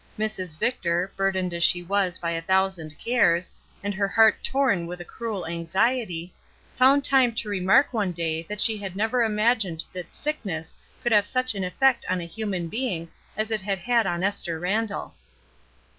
Mrs. Victor, burdened as she was by a thousand cares, and her heart torn with a cruel anxiety, found time to remark one day that she had never imagined that sickness could have such an efJect on a human being as it had had on Esther Randall.